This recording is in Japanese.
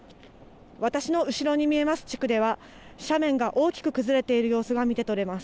私の後ろに見えます地区では、斜面が大きく崩れている様子が見て取れます。